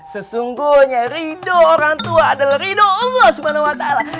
sesungguhnya rido orang tua adalah rido allah subhanahu wa ta'ala